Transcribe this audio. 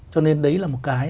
cho nên đấy là một cái